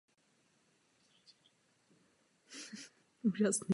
Inspirací sloužil román Michelle Ray "Falling for Hamlet".